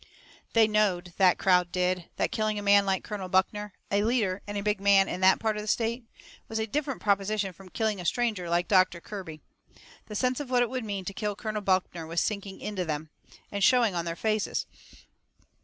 They knowed, that crowd did, that killing a man like Colonel Buckner a leader and a big man in that part of the state was a different proposition from killing a stranger like Doctor Kirby. The sense of what it would mean to kill Colonel Buckner was sinking into 'em, and showing on their faces.